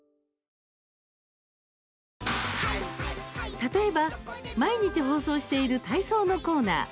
例えば、毎日放送している体操のコーナー。